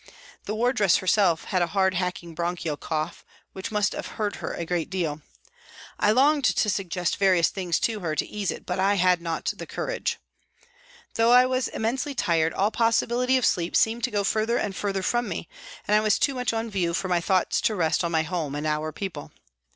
The wardress herself had a hard, hacking, bronchial cough, which must have hurt her a good deal. I longed to suggest various things to her to ease it, but I had not the courage. Though I was immensely tired, all possibility of sleep seemed to go further and further from me, and I was too much on view for my thoughts to rest on my home and our people.